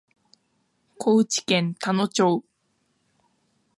高知県田野町